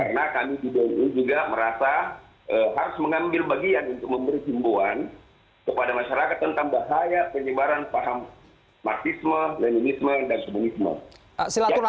karena kami juga merasa harus mengambil bagian untuk memberi jemboan kepada masyarakat tentang bahaya penyebaran paham marxisme leninisme dan kebenisme